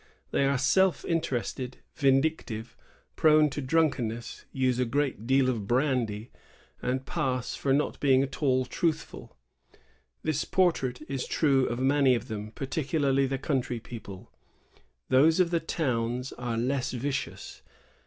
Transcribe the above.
They are self interested, vindictive, prone to drunkenness, use a great deal of brandy, and pass for not being at all tnithful. This portrait is true of many of them, particularly the country people : those of the towns are less vicious.